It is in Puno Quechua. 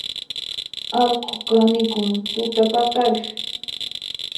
Allqu kanikun tutapaqariq